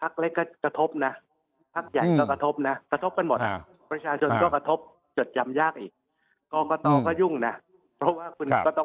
กลัวพักใหญ่จะได้ขนาดง่ายมากเกินไปมั้ง